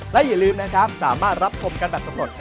และอย่าลืมนะครับสามารถรับชมกันแบบสำรวจ